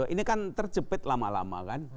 ini kan terjepit lama lama kan